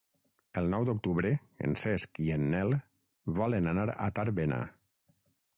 El nou d'octubre en Cesc i en Nel volen anar a Tàrbena.